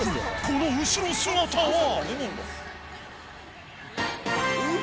この後ろ姿は］